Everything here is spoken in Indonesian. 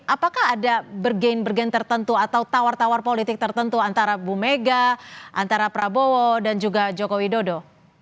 apakah ada bergen bergen tertentu atau tawar tawar politik tertentu antara bu mega antara prabowo dan juga joko widodo